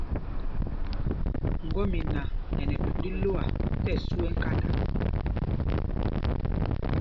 Ŋgɔ́mina ɛ nɛ thūnd ílɔ́a tí ɛsu ɛ́ kanda.